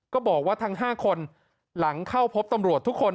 ก็บอกว่าทั้ง๕คนหลังเข้าพบตำรวจทุกคน